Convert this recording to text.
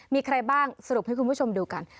มีใครบ้างสรุปให้คุณผู้ชมดูกัน